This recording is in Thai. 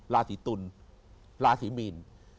ราศีตุลราศีมีน